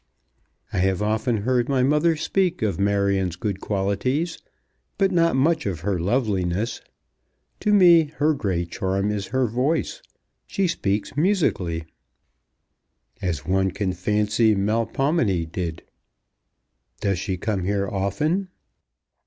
"I have often heard my mother speak of Marion's good qualities, but not much of her loveliness. To me her great charm is her voice. She speaks musically." "As one can fancy Melpomene did. Does she come here often?"